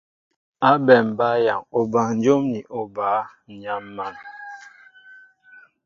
Ábɛm bǎyaŋ obanjóm ni obǎ, ǹ yam̀an !